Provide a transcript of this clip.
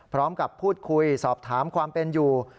พร้อมกับพูดคุยสอบถามความเป็นอยู่